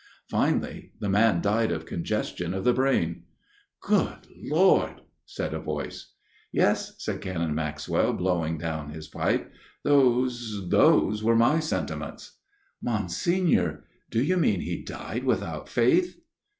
Finally the man died of congestion of the brain." " Good Lord !" said a voice. " Yes," said Canon Maxwell, blowing down his pipe, " those those were my sentiments." " Monsignor ! Do you mean he died without faith